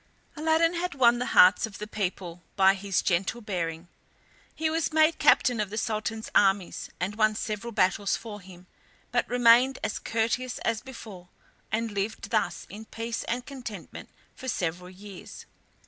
Aladdin had won the hearts of the people by his gentle bearing. He was made captain of the Sultan's armies, and won several battles for him, but remained as courteous as before, and lived thus in peace and content for several years.